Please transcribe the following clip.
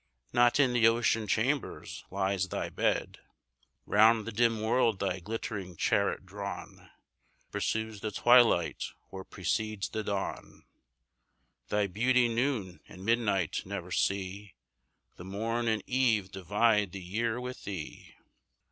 Not in the ocean chambers lies thy bed; Round the dim world thy glittering chariot drawn Pursues the twilight, or precedes the dawn; Thy beauty noon and midnight never see, The morn and eve divide the year with thee."